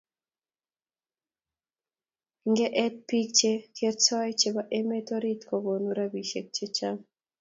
nge eet bik che kertoi che bo emet orit kukonu robisheck che Chang